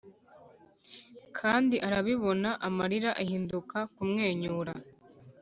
kandi arabikora amarira ahinduka kumwenyura